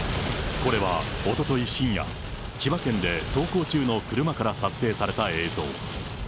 これはおととい深夜、千葉県で走行中の車から撮影された映像。